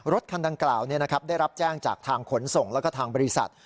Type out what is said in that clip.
รถคันดังกล่าวได้รับแจ้งจากทางขนส่งแล้วก็ทางบริษัท